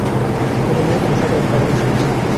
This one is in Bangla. এইখানে মেয়েদের ও সাধারণ পাড়াপড়শির ভিড়।